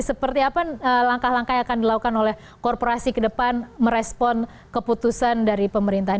seperti apa langkah langkah yang akan dilakukan oleh korporasi ke depan merespon keputusan dari pemerintah